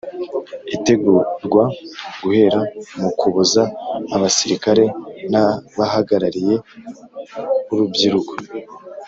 Itegurwa Guhera Mu Kuboza Abasirikare N Abahagarariye urbyiruko